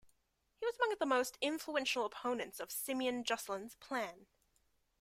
He was among the most influential opponents of Simeon Jocelyn's plan.